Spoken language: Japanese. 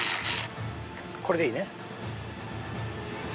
これでいいね。